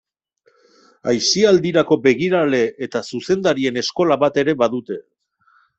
Aisialdiko begirale eta zuzendarien eskola bat ere badute.